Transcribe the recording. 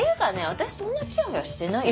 私そんなチヤホヤしてないよ。